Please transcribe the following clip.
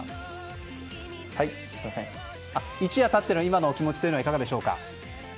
一夜経っての今のお気持ちはいかがでしょうか。